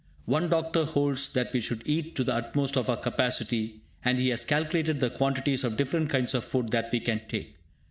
One doctor holds that we should eat to the utmost of our capacity, and he has calculated the quantities of different kinds of food that we can take.